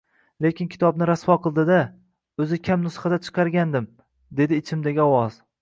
Lekin kitobni rasvo qildi-da, o`zi kam nusxada chiqargandim, dedi ichimdagi ovoz